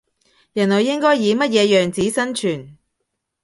人類應該以乜嘢樣子生存